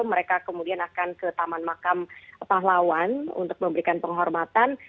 mereka kemudian akan ke taman makam pahlawan untuk memberikan penghormatan